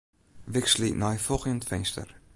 Wikselje nei folgjend finster.